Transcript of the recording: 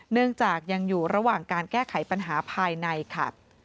เนื่องจากยังอยู่ระหว่างการแก้ไขปัญหาภายในค่ะ